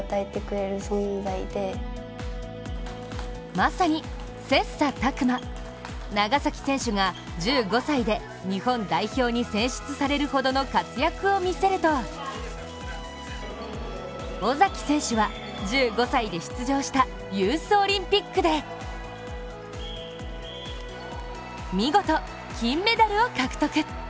まさに切磋琢磨、長崎選手が１５歳で日本代表に選出されるほどの活躍を見せると尾崎選手は１５歳で出場したユースオリンピックで見事、金メダルを獲得。